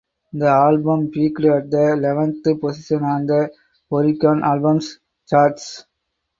The album peaked at the eleventh position on the Oricon albums charts.